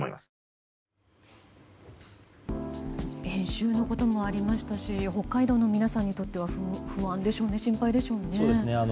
演習のこともありましたし北海道の皆さんにとっては不安でしょうね心配でしょうね。